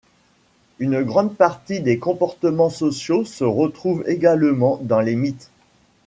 Une grande partie des comportements sociaux se retrouvent également dans les mythes.